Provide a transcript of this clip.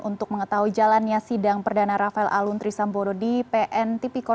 untuk mengetahui jalannya sidang perdana rafael alun trisambodo di pn tipikor